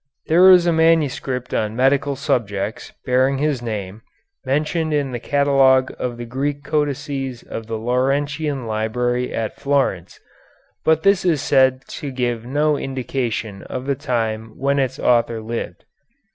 There is a manuscript on medical subjects, bearing this name, mentioned in the catalogue of the Greek Codices of the Laurentian Library at Florence, but this is said to give no indication of the time when its author lived.